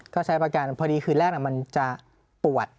ก็ใช้ประกันเพราะดีคือแรกน่ะมันจะปวด